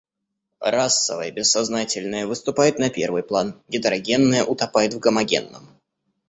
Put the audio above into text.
Расовое бессознательное выступает на первый план, гетерогенное утопает в гомогенном.